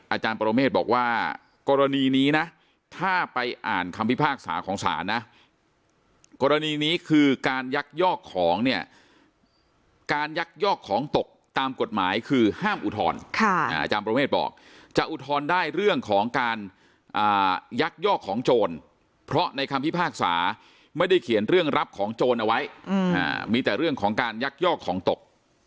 อาจารย์ปรเมฆบอกว่ากรณีนี้นะถ้าไปอ่านคำพิพากษาของศาลนะกรณีนี้คือการยักยอกของเนี่ยการยักยอกของตกตามกฎหมายคือห้ามอุทธรณ์อาจารย์ประเมฆบอกจะอุทธรณ์ได้เรื่องของการยักยอกของโจรเพราะในคำพิพากษาไม่ได้เขียนเรื่องรับของโจรเอาไว้มีแต่เรื่องของการยักยอกของตก